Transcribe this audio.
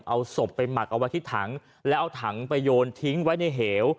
เอาศพไปหมักเอาไว้ที่ถังแล้วเอาถังไปโยนทิ้งไว้ในเหว